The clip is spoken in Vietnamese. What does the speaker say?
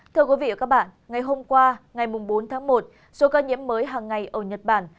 thưa quý vị và các bạn ngày hôm qua ngày bốn tháng một số ca nhiễm mới hàng ngày ở nhật bản